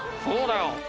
そうだよ！